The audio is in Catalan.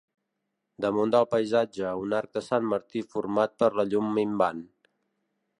Damunt del paisatge, un arc de Sant Martí format per la llum minvant.